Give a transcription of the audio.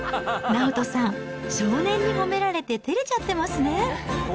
直人さん、少年に褒められててれちゃってますね。